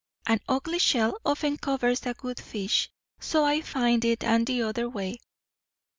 An ugly shell often covers a good fish. So I find it; and t'other way."